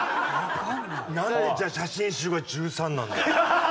なんでじゃあ写真集が１３なんだよ。